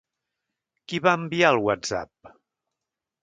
Qui va enviar el WhatsApp?